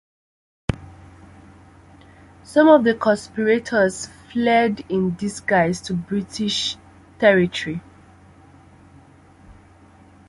Some of the conspirators fled in disguise to British territory.